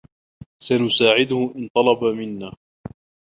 سنساعده إن طلب منا.